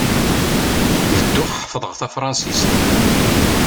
Bedduɣ ḥefḍeɣ tafṛansist.